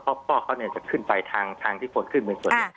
เพราะว่าพ่อเขาเนี่ยจะขึ้นไปทางที่คนขึ้นบนส่วน